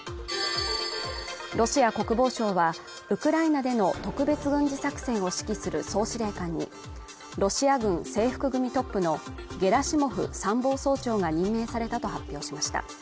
ロシア国防省はウクライナでの特別軍事作戦を指揮する総司令菅にロシア軍制服組トップのゲラシモフ参謀総長が任命されたと発表しました